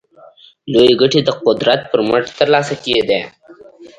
لویې ګټې د قدرت پر مټ ترلاسه کېدې.